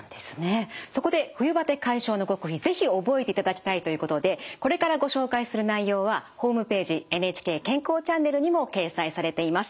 そこで冬バテ解消の極意是非覚えていただきたいということでこれからご紹介する内容はホームページ「ＮＨＫ健康チャンネル」にも掲載されています。